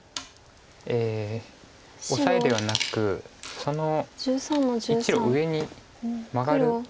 オサエではなくその１路上にマガる。